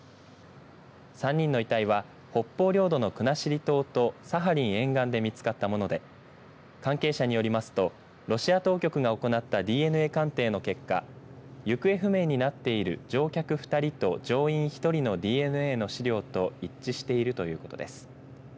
３人の遺体は北方領土の国後島とサハリン沿岸で見つかったもので関係者によりますとロシア当局が行ったＤＮＡ鑑定の結果行方不明になっている乗客２人と乗員１人のＤＮＡの資料と一致しているということです。